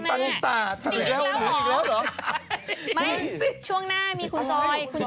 ไปมีเรื่องต่อไปด้วยใช่ไหม